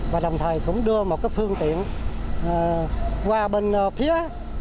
và đồng thời cũng đưa một phương tiện qua bên phía